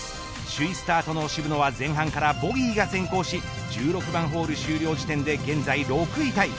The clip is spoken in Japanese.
首位スタートの渋野は前半からボギーが先行し１６番ホール終了時点で現在６位タイ。